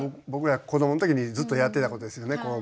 僕ら子どもの時にずっとやってたことですよね。